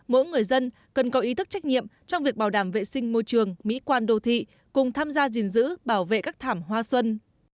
mỗi người dân cần có ý thức trách nhiệm trong việc bảo đảm vệ sinh môi trường mỹ quan đô thị cùng tham gia gìn giữ bảo vệ các thảm hoa xuân